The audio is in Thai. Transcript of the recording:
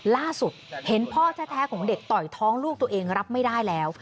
ล่าสุดเห็นพ่อแท้ของเด็กต่อยท้องลูกตัวเองรับไม่ได้แล้ว